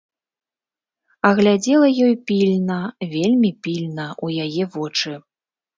А глядзела ёй пільна, вельмі пільна, у яе вочы.